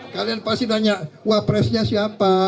kalian pasti tanya wah presnya siapa